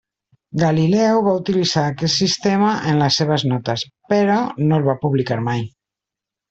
Galileu va utilitzar aquest sistema en les seves notes, però no el va publicar mai.